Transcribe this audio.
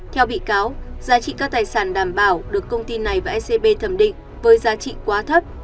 theo bị cáo giá trị các tài sản đảm bảo được công ty này và ecb thẩm định với giá trị quá thấp